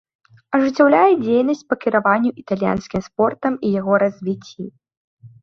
Ажыццяўляе дзейнасць па кіраванню італьянскім спортам і яго развіцці.